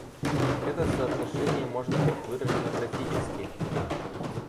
Это соотношение может быть выражено графически.